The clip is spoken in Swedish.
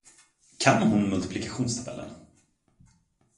Kan hon multiplikationstabellen?